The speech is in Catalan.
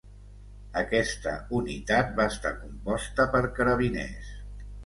Aquesta unitat va estar composta per carabiners.